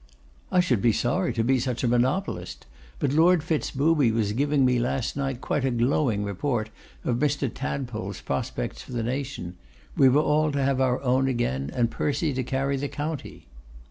'I should be sorry to be such a monopolist. But Lord Fitz Booby was giving me last night quite a glowing report of Mr. Tadpole's prospects for the nation. We were all to have our own again; and Percy to carry the county.